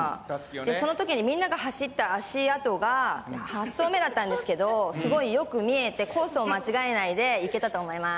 そのときにみんなが走った足跡が、８走目だったんですけど、すごいよく見えて、コースを間違えないでいけたと思います。